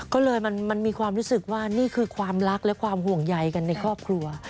ก็เลยมันมีความรู้สึกว่านี่คือความรักและความห่วงใยกันในครอบครัว